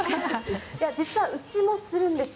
実はうちもするんです。